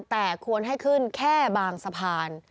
แต่ควรให้ขึ้นแค่บางสะพาน